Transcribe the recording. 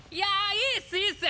いいっスいいっス！